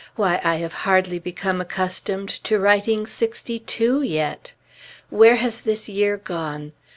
Why I have hardly become accustomed to writing '62 yet! Where has this year gone?